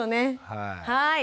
はい。